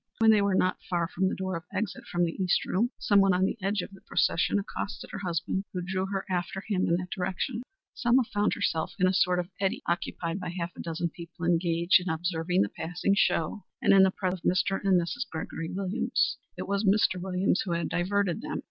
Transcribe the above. When they were not far from the door of exit from the East room, some one on the edge of the procession accosted her husband, who drew her after him in that direction. Selma found herself in a sort of eddy occupied by half a dozen people engaged in observing the passing show, and in the presence of Mr. and Mrs. Gregory Williams. It was Mr. Williams who had diverted them.